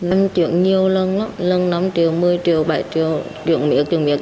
em chuyển nhiều lần lắm lần năm triệu một mươi triệu bảy triệu chuyển miệng chuyển miệng